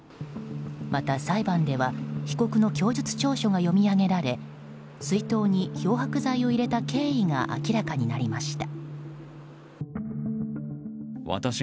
また、裁判では被告の供述調書が読み上げられ水筒に漂白剤を入れた経緯が明らかになりました。